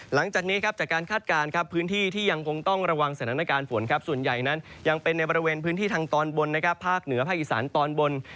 หลังจากนี้ครับจากการคาดการณ์ครับพื้นที่ที่ยังคงต้องระวังสถานการณ์ฝนส่วนใหญ่นั้นยังเป็นในบริเวณพื้นที่ทางตอนบนนะครับภาคเหนือภาคอีสานตอนบน